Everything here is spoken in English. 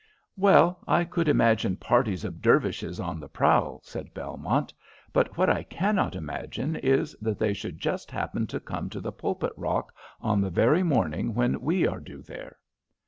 "Well, I could imagine parties of Dervishes on the prowl," said Belmont. "But what I cannot imagine is that they should just happen to come to the pulpit rock on the very morning when we are due there."